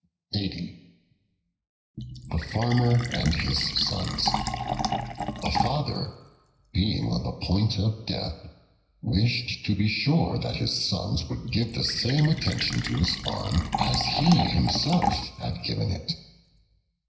The Farmer and His Sons A FATHER, being on the point of death, wished to be sure that his sons would give the same attention to his farm as he himself had given it.